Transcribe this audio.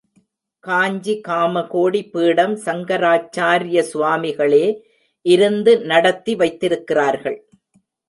காஞ்சி காமகோடி பீடம் சங்கராச்சார்ய சுவாமிகளே இருந்து நடத்தி வைத்திருக்கிறார்கள்.